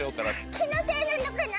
気のせいなのかな？